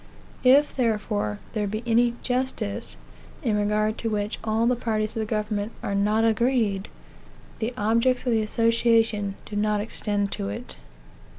If, therefore, there be any justice, in regard to which all the parties to the government are not agreed, the objects of the association do not extend to it.